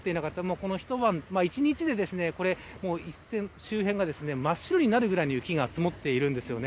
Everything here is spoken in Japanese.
これ１日で、これ周辺が真っ白になるくらいの雪が積もっているんですね。